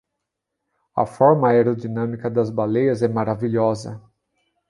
A forma aerodinâmica das baleias é maravilhosa.